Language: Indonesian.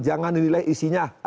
jangan dinilai isinya